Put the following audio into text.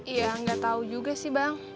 iya ga tau juga sih bang